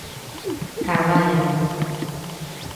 Carballa.